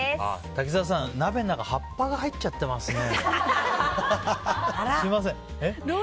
滝沢さん、鍋の中に葉っぱが入っちゃってますね。